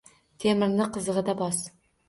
Temirni qizig'ida bos.